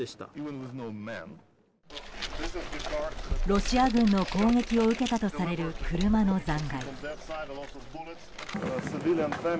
ロシア軍の攻撃を受けたとされる車の残骸。